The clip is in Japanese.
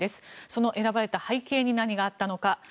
その選ばれた背景に何があったのか。